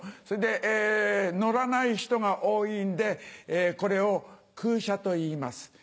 それで乗らない人が多いんでこれを「空車」といいます。